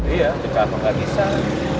iya kecapnya gak kisah